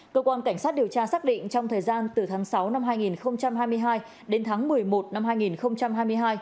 cơ quan cảnh sát điều tra xác định trong thời gian từ tháng sáu năm hai nghìn hai mươi hai đến tháng một mươi một năm hai nghìn hai mươi hai